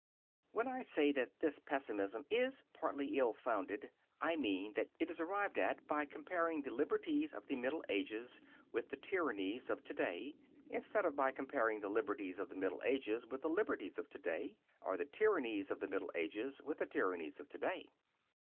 When I say that this pessimism is partly ill founded, I mean that it is arrived at by comparing the liberties of the Middle Ages with the tyrannies of to day, instead of by comparing the liberties of the Middle Ages with the liberties of to day, or the tyrannies of the Middle Ages with the tyrannies of to day.